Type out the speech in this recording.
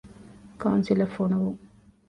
ކައުންސިލަށް ފޮނުވުން.